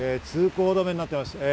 通行止めになっています。